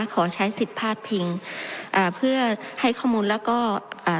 ขอใช้สิทธิ์พาดพิงอ่าเพื่อให้ข้อมูลแล้วก็อ่า